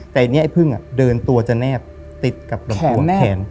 แต่อันนี้ไอ้พึ่งเดินตัวจะแนบติดกับลำตัวแขน